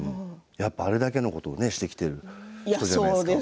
やっぱりあれだけのことをしてきているじゃないですか。